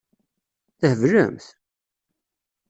Theblemt?